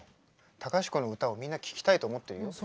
隆子の歌をみんな聴きたいと思ってるよ。